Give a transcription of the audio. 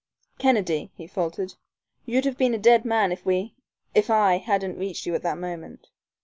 "Kennedy," he faltered, "you'd have been a dead man if we if I hadn't reached you at that moment."